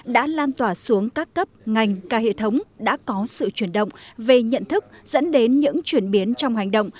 đã lan tỏa xuống các cấp ngành ca hệ thống đã có sự chuyển động về nhận thức dẫn đến những chuyển biến trong hành động